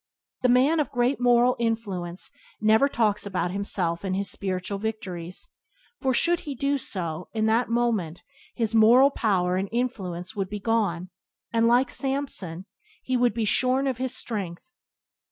The man of great moral influence never talks about himself and his spiritual victories, for, should he do so, in that moment his moral power and influence would be gone, and, like Samson, he would be shorn of his strength.